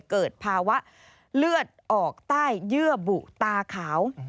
เกิดภาวะเลือดออกใต้เยื่อบุตาขาว